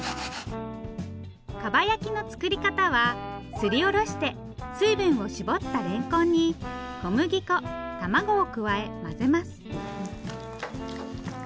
かば焼きの作り方はすりおろして水分を絞ったれんこんに小麦粉卵を加え混ぜます